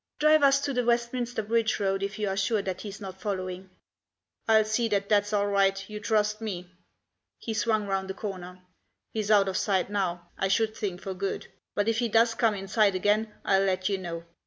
Drive us to the Westminster Bridge Road, if you are sure that he's not following." "I'll see that that's all right, you trust me." He swung round a corner. " He's out of sight now, I should think for good ; but if he does come in sight again I'll let you know.